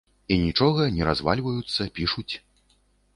І нічога, не развальваюцца, пішуць.